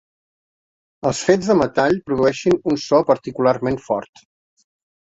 Els fets de metall produeixin un so particularment fort.